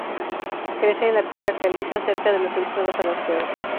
Crece en la piedra caliza cerca de las entradas a las cuevas.